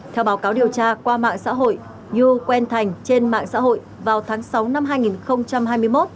theo báo cáo điều tra qua mạng xã hội nhu quen thành trên mạng xã hội vào tháng sáu năm hai nghìn hai mươi một